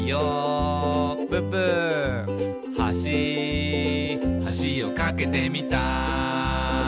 「はしはしを架けてみた」